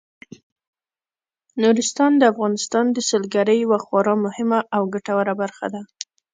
نورستان د افغانستان د سیلګرۍ یوه خورا مهمه او ګټوره برخه ده.